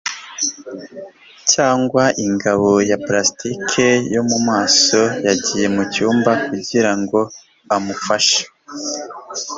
cyangwa ingabo ya plastike yo mumaso. yagiye mu cyumba kugira ngo amufashe